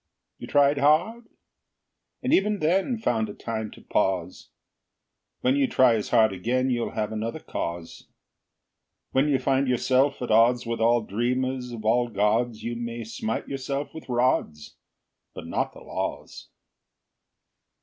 You tried hard? And even then Found a time to pause? When you try as hard again, You'll have another cause. When you find yourself at odds With all dreamers of all gods, You may smite yourself with rods But not the laws.